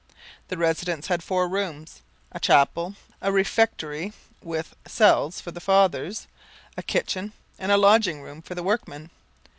The residence had four rooms a chapel, a refectory with cells for the fathers, a kitchen, and a lodging room for the workmen.